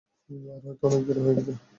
আর হয়তো অনেক দেরিও হয়ে গেছে।